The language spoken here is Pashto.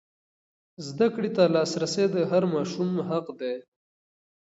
زده کړې ته لاسرسی د هر ماشوم حق دی.